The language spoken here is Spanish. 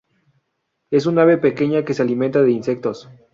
Es un ave pequeña que se alimenta de insectos.